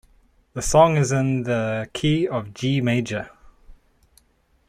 The song is in the key of G major.